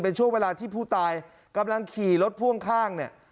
เป็นช่วงเวลาที่ผู้ตายกำลังขี่รถพ่วงข้างเนี่ย